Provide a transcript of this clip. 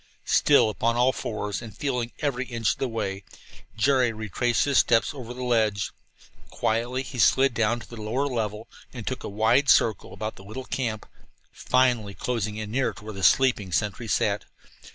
Still upon all fours, and feeling every inch of the way, Jerry retraced his steps over the ledge. Quietly he slid down to the lower level and took a wide circle about the little camp, finally closing in near to where the sleeping sentry sat.